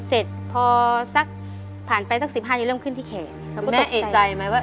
เสร็จพอสักผ่านไปสักสิบห้านี้เริ่มขึ้นที่แขนเขาก็ต้องเอกใจไหมว่า